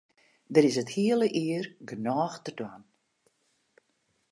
Der is it hiele jier genôch te dwaan.